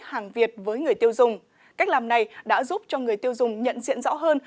hàng việt với người tiêu dùng cách làm này đã giúp cho người tiêu dùng nhận diện rõ hơn